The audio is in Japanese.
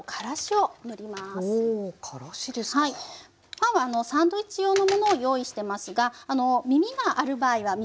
パンはサンドイッチ用のものを用意してますがみみがある場合ははい。